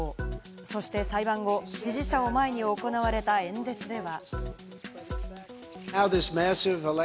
そして裁判後、支持者を前に行われた演説では。